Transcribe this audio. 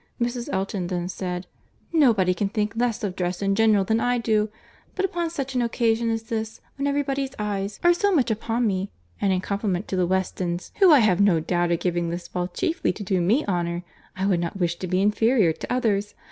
Mrs. Elton then said, "Nobody can think less of dress in general than I do—but upon such an occasion as this, when every body's eyes are so much upon me, and in compliment to the Westons—who I have no doubt are giving this ball chiefly to do me honour—I would not wish to be inferior to others.